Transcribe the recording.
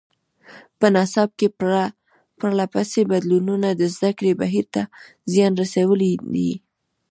په نصاب کې پرله پسې بدلونونو د زده کړې بهیر ته زیان رسولی دی.